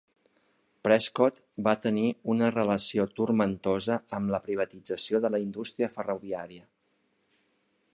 Prescott va tenir una relació turmentosa amb la privatització de la indústria ferroviària.